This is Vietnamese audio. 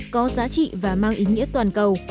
có giá trị và mang ý nghĩa toàn cầu